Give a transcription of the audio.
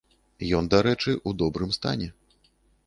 Ён, дарэчы, у добрым стане.